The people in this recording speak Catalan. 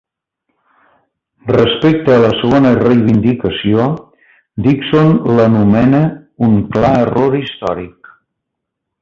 Respecte a la segona reivindicació, Dickson l'anomena un "clar error històric".